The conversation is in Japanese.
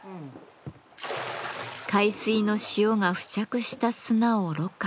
海水の塩が付着した砂をろ過。